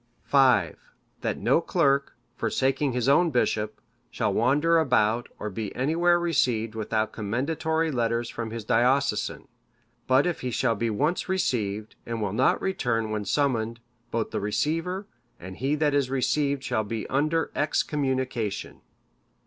"V. That no clerk, forsaking his own bishop, shall wander about, or be anywhere received without commendatory letters from his diocesan. But if he shall be once received, and will not return when summoned, both the receiver, and he that is received shall be under excommunication.